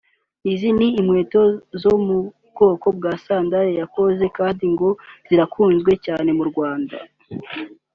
Izo ni inkweto zo mu bwoko bwa sandali yakoze kandi ngo zirakunzwe cyane mu Rwanda